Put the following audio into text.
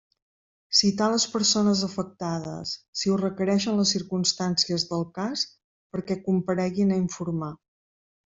Citar les persones afectades, si ho requereixen les circumstàncies del cas, perquè compareguin a informar.